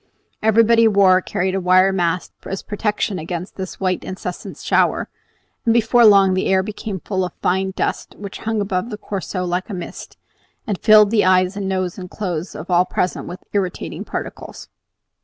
Everybody wore or carried a wire mask as protection against this white, incessant shower; and before long the air became full of a fine dust which hung above the Corso like a mist, and filled the eyes and noses and clothes of all present with irritating particles.